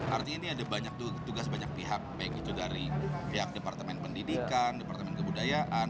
artinya ini ada banyak tugas banyak pihak baik itu dari pihak departemen pendidikan departemen kebudayaan